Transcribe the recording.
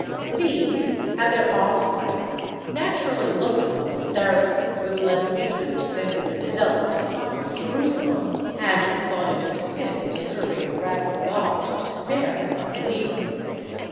These, and their offspring, naturally looked upon the Saracens with less hatred than did the zealots who conquered Jerusalem, and who thought it a sin deserving the wrath of God to spare an unbeliever.